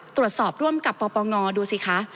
ตรวจสอบร่วมกับปปงดูสิคะ